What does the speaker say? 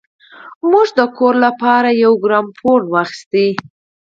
موږ د کور لپاره يو ګرامافون وپېرود.